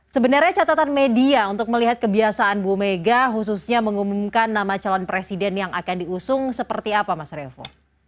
sebenarnya catatan media untuk melihat kebiasaan bu mega khususnya mengumumkan nama calon presiden yang akan diusung seperti apa mas revo